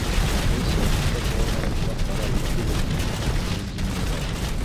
— Был сәйәхәткә сығырға ныҡлап ҡарар иттегеҙме, джентльмендар?